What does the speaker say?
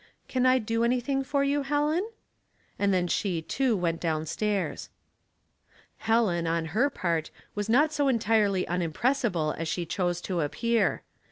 " Can I do any thing for you, Helen ?" And then she, too, went down stairs. Helen, on her part, was not so entirely unim pressible as she chose to appear.